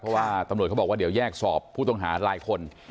เพราะว่าตำรวจเขาบอกว่าเดี๋ยวแยกสอบผู้ต้องหาหลายคน